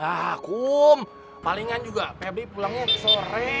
ah kum palingan juga pebri pulangnya sore